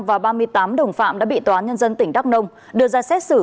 và ba mươi tám đồng phạm đã bị tòa nhân dân tỉnh đắk nông đưa ra xét xử